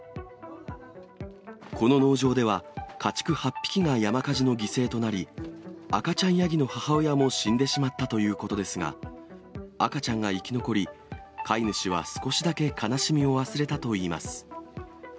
この農場では、家畜８匹が山火事の犠牲となり、赤ちゃんヤギの母親も死んでしまったということですが、赤ちゃんが生き残り、飼い主は少しだけ悲しみを忘れたといいます。